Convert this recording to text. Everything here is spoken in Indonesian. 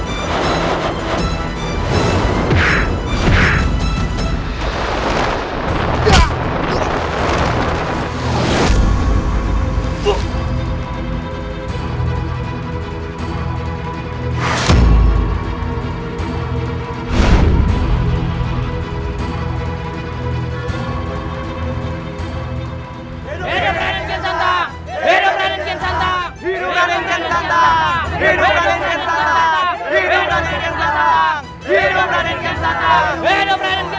bidob raden kian santang